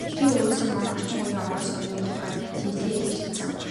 Ихрийн өрөөсөн маань орчин үеийн Орос орны тухай шинжилгээ хийхээр шийдсэн.